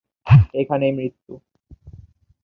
এখানেই মৃত্যু।